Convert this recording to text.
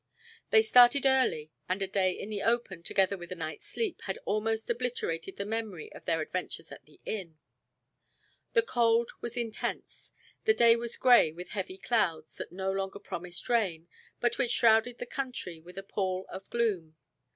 They started early, and a day in the open, together with a night's sleep, had almost obliterated the memory of their adventure at the inn. The cold was intense. The day was gray with heavy clouds that no longer promised rain, but which shrouded the country with a pall of gloom.